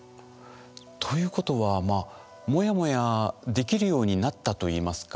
ということはまあモヤモヤできるようになったといいますか。